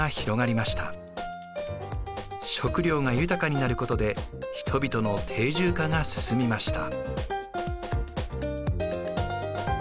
食料が豊かになることで人々の定住化が進みました。